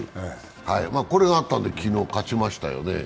これがあったんで昨日、勝ちましたよね。